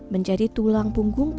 menjadi tulang punggungnya